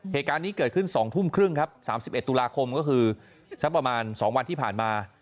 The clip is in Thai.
เหตุการณ์นี้เกิดขึ้น๒ทุ่มครึ่งครับ๓๑ตุลาคมก็คือสักประมาณ๒วันที่ผ่านมา